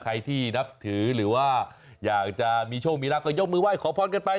ใครที่นับถือหรือว่าอยากจะมีโชคมีรักก็ยกมือไห้ขอพรกันไป